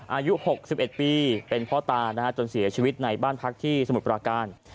อายุ๖๑ปีเป็นพ่อตานะฮะจนเสียชีวิตในบ้านพักที่สมุทรปราการ